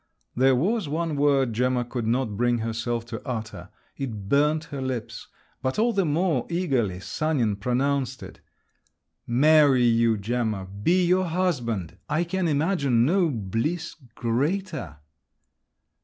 There was one word Gemma could not bring herself to utter…. It burnt her lips; but all the more eagerly Sanin pronounced it. "Marry you, Gemma, be your husband—I can imagine no bliss greater!"